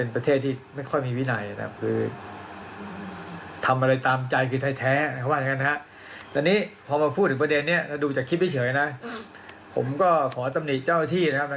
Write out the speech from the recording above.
ผมก็ขอตำนิดเจ้าหน้าที่นะครับ